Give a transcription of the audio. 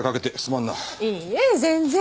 いいえ全然。